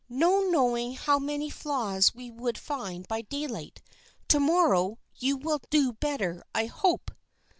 No knowing how many flaws we would find by daylight. To morrow you will do better, I hope."